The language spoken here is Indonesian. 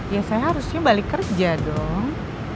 ya saya harusnya balik kerja dong